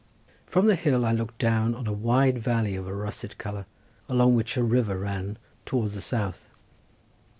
From the hill I looked down on a wide valley of a russet colour, along which a river ran towards the south.